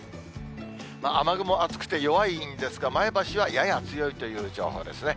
雨雲、厚くて弱いんですが、前橋はやや強いという情報ですね。